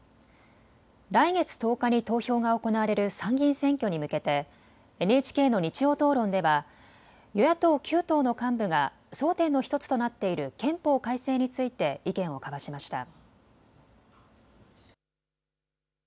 来月１０日に投票が行われる参議院選挙に向けてＮＨＫの日曜討論では与野党９党の幹部が争点の１つとなっている憲法改正について意見を交わしました。